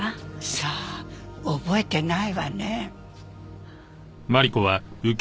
さあ覚えてないわね。